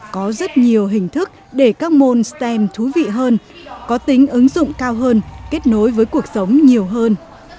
có rất nhiều hình thức để các môn stem thú vị hơn có tính ứng dụng cao hơn kết nối với cuộc sống nhiều hơn